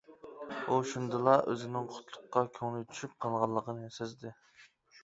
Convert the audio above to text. ئۇ شۇندىلا ئۆزىنىڭ قۇتلۇققا كۆڭلى چۈشۈپ قالغانلىقىنى سەزدى.